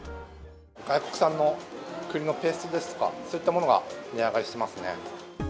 外国産の栗のペーストですとか、そういったものが値上がりしてますね。